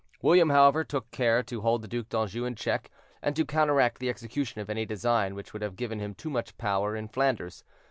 William, however, took care to hold the Duc d'Anjou in check, and to counteract the execution of any design which would have given him too much power in Flanders.